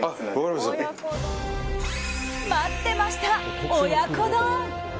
待ってました、親子丼！